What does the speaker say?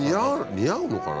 似合うのかな。